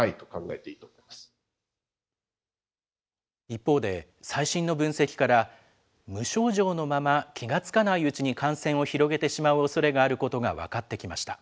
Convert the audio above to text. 一方で、最新の分析から、無症状のまま気が付かないうちに感染を広げてしまうおそれがあることが分かってきました。